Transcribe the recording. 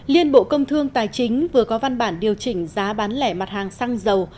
liên bộ công thương tài chính vừa có văn bản điều chỉnh giá bán lẻ mặt hàng xăng dầu